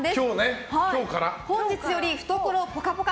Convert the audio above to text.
本日より、懐ぽかぽか！